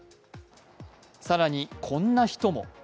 更に、こんな人も。